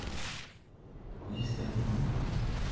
Se lanzó como sencillo en el mismo año por la misma disquera.